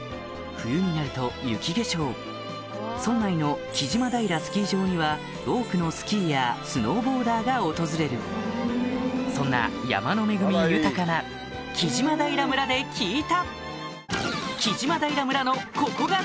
冬になると雪化粧村内のには多くのスキーヤースノーボーダーが訪れるそんな山の恵み豊かな木島平村で聞いた！